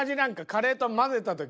カレーと混ぜた時。